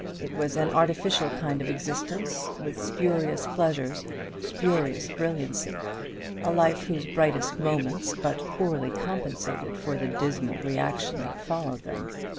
It was an artificial kind of existence, with spurious pleasures, spurious brilliancy, a life whose brightest moments but poorly compensated for the dismal reaction that followed them.